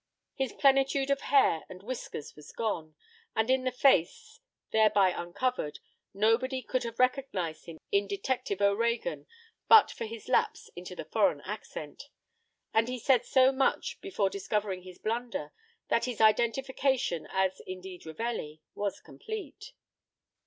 His plenitude of hair and whiskers was gone; and in the face, thereby uncovered, nobody could have recognized him in Detective O'Reagan but for his lapse into the foreign accent; and he said so much before discovering his blunder that his identification, as indeed Ravelli, was complete.